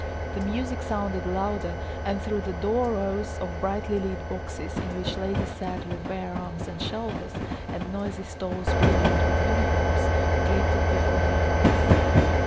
The music sounded louder and through the door rows of brightly lit boxes in which ladies sat with bare arms and shoulders, and noisy stalls brilliant with uniforms, glittered before their eyes.